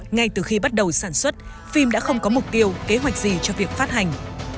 ngay từ khi bắt đầu sản xuất phim đã không có mục tiêu kế hoạch gì cho việc phát hành